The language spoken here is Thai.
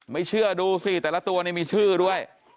ไม่เชื่อดูสิแต่ละตัวนี่มีชื่อด้วย